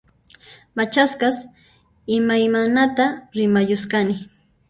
Machasqas imaymanata rimayusqani